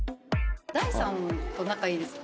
大さんと仲いいですか？